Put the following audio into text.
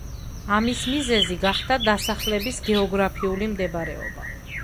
ამის მიზეზი გახდა დასახლების გეოგრაფიული მდებარეობა.